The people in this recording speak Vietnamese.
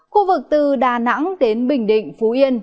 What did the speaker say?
khu vực từ đà nẵng đến bình định phú yên